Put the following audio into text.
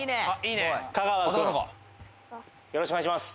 おっよろしくお願いします